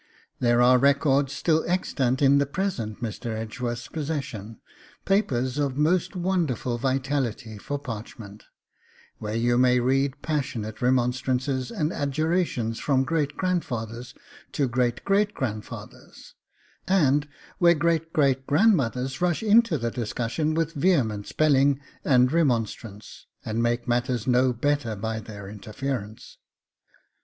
There are records still extant in the present Mr. Edgeworth's possession, papers of most wonderful vitality for parchment, where you may read passionate remonstrances and adjurations from great grandfathers to great great grandfathers, and where great great grandmothers rush into the discussion with vehement spelling and remonstrance, and make matters no better by their interference.